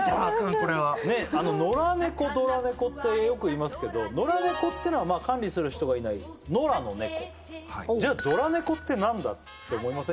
これはのら猫どら猫ってよく言いますけどのら猫っていうのは管理する人がいない野良の猫じゃあどら猫って何だって思いません？